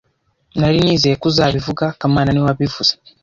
Nari nizeye ko uzabivuga kamana niwe wabivuze